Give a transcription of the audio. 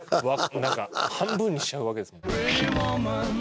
なんか半分にしちゃうわけですもんね。